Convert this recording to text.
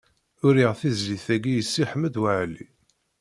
Uriɣ tizlit-agi i Si Ḥmed Waɛli.